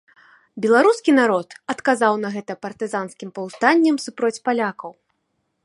Беларускі народ адказаў на гэта партызанскім паўстаннем супроць палякаў.